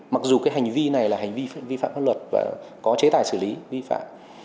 mặc dù hành vi này là hành vi vi phạm luật và có chế tài xử lý vi phạm